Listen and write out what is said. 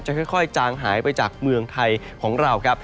ค่อยจางหายไปจากเมืองไทยของเราครับ